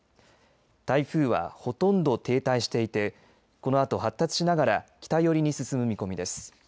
台風はほとんど停滞していてこのあと発達しながら北寄りに進む見込みです。